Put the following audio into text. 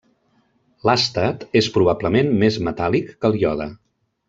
L'àstat és probablement més metàl·lic que el iode.